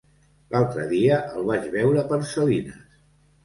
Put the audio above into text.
L'altre dia el vaig veure per Salines.